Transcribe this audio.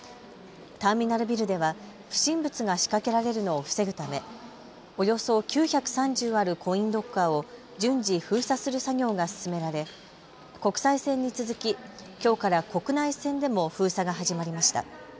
ターミナルビルでは不審物が仕掛けられるのを防ぐためおよそ９３０あるコインロッカーを順次、封鎖する作業が進められ国際線に続き、きょうから国内線でも封鎖が始まりました。